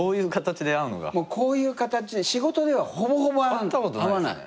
こういう形仕事ではほぼほぼ会わない。